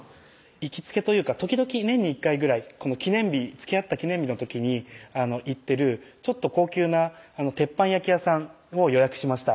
行きつけというか時々年に１回ぐらいつきあった記念日の時に行ってるちょっと高級な鉄板焼き屋さんを予約しました